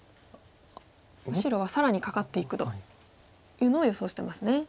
白は更にカカっていくというのを予想してますね。